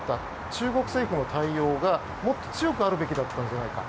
中国政府の対応がもっと強くあるべきだったんじゃないか。